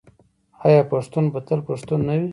آیا پښتون به تل پښتون نه وي؟